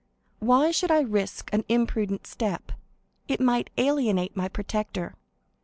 Why should I risk an imprudent step? It might alienate my protector.